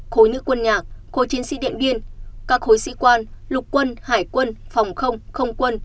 khối nữ quân nhạc khối chiến sĩ điện biên các khối sĩ quan lục quân hải quân phòng không không quân